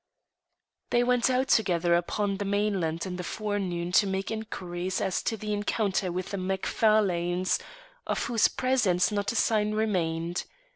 They went out together upon the mainland in the forenoon to make inquiries as to the encounter with the Macfarlanes, of whose presence not a sign remained.